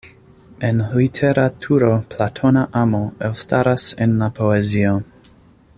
En literaturo platona amo elstaras en la poezio.